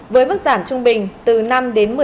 với mức giảm trung bình từ năm đến một mươi năm